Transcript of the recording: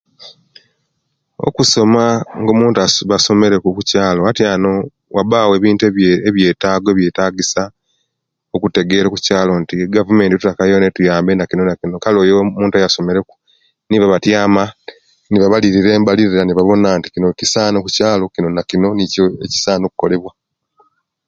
Okusoma nga omuntu basomere ku omukyaalo atyaanu bwabawo ebintu ebiyeta ebiyetagisa okutegeera okukyaalo nti egavumenti tutaka yona etuyambe kyino nakyino kale oyo omuntu eyasomere ku nibo abatiyama nebabalirira enbalilira nebawona nti kino kisana okukyaalo kino nakino nikyo ekisana okolebwa